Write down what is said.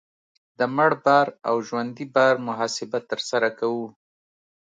د مړ بار او ژوندي بار محاسبه ترسره کوو